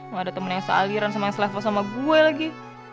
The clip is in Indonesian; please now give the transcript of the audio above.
gak ada temen yang sealiran sama yang selevel sama gue lagi